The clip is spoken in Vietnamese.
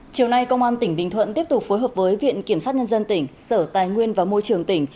chiều nay công an tỉnh bình thuận tiếp tục phối hợp với viện kiểm sát nhân dân tỉnh sở tài nguyên và môi trường tỉnh